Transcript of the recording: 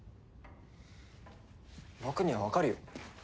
僕にはわかるよ